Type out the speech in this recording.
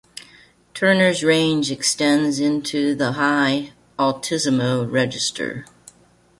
Turner's range extends into the high altissimo register.